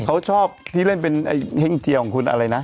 เขาชอบที่เล่นเป็นเฮ่งเจียวของคุณอะไรนะ